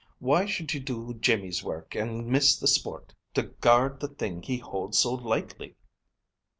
Why should you do Jimmy's work, and miss the sport, to guard the thing he holds so lightly?"